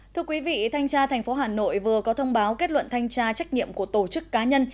thưa quý vị thanh tra thành phố hà nội vừa có thông báo kết luận thanh tra trách nhiệm của tổ chức cá nhân